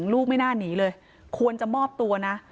ลูกไม่น่าหนีเลยควรจะมอบตัวนะ